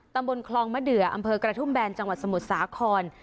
ตำบลคลองมะเดืออำเภอกระทุ่มแบนจังหวัดสมุทรสาคร